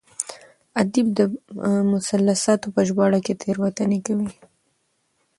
ادیب د مثلثاتو په ژباړه کې تېروتنې کوي.